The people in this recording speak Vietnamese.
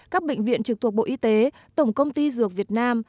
các bệnh viện trực thuộc bộ y tế tổng công ty dược việt nam